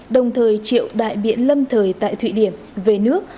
đồng thời triệu đại biện lâm thời tại thụy điển về nước